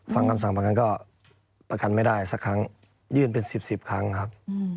ฟังคำสั่งประกันก็ประกันไม่ได้สักครั้งยื่นเป็น๑๐ครั้งครับ